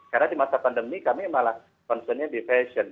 karena di masa pandemi kami malah konsumen di fashion